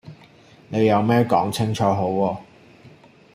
你有咩講清楚好喎